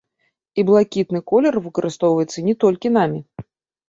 І блакітны колер выкарыстоўваецца не толькі намі.